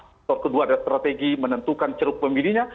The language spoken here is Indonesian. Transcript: faktor kedua adalah strategi menentukan ceruk pemilihnya